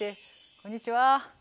こんにちは！